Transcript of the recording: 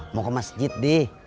mau ke masjid di